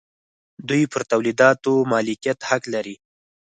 دوی پر تولیداتو مالکیت حق لري.